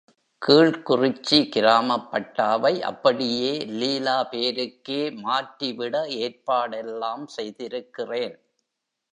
கீழக் குறிச்சி கிராமப் பட்டாவை அப்படியே லீலா பேருக்கே மாற்றிவிட ஏற்பாடெல்லாம் செய்திருக்கிறேன்.